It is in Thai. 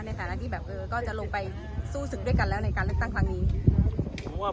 ในฐานะที่แบบเออก็จะลงไปสู้ศึกด้วยกันแล้วในการเลือกตั้งครั้งนี้